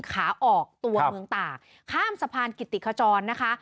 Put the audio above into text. ขาออกตัวเมืองตากข้ามสะพานกิติขจรนะคะ